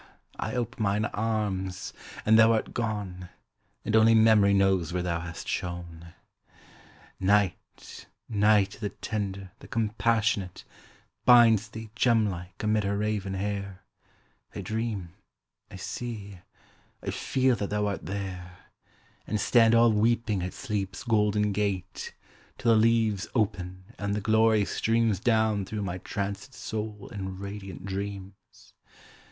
I ope mine arms, and thou art gone, And only Memory knows where thou hast shone. Night Night the tender, the compassionate, Binds thee, gem like, amid her raven hair; I dream I see I feel that thou art there And stand all weeping at Sleep's golden gate, Till the leaves open, and the glory streams Down through my trancèd soul in radiant dreams.